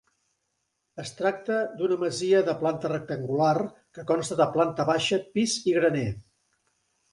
Es tracta d'una masia de planta rectangular que consta de planta baixa, pis i graner.